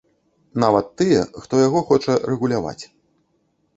Нават тыя, хто яго хоча рэгуляваць.